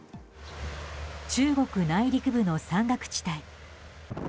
中国内陸部の山岳地帯。